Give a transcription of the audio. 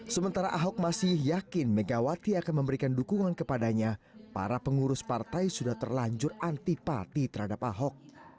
sementara ahok masih yakin megawati akan memberikan dukungan kepadanya para pengurus partai sudah terlanjur antipati terhadap ahok